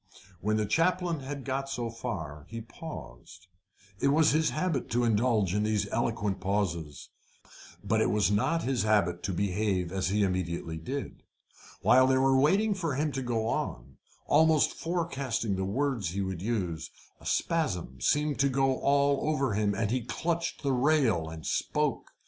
When the chaplain had got so far he paused. It was his habit to indulge in these eloquent pauses, but it was not his habit to behave as he immediately did. While they were waiting for him to go on, almost forecasting the words he would use, a spasm seemed to go all over him, and he clutched the rail and spoke.